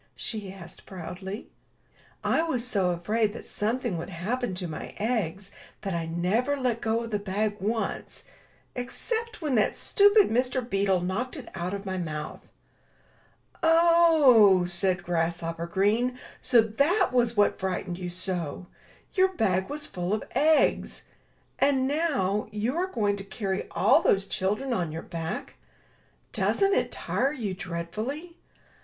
she asked, proudly. *'l was so afraid that something would happen to my eggs that I never let go of the bag once, except when that stupid Mr. Beetle knocked it out of my mouth." 230 IN THE NURSERY "0 ho/* said Grasshopper Green, "so that was what frightened you so! Your bag was full of eggs! And, now, you are going to carry all those children on your back? Doesn't it tire you dreadfully?"